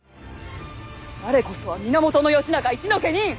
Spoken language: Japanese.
我こそは源義仲一の家人。